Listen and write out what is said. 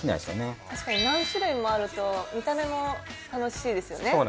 たしかに何種類もあると見た目も楽しいですよね。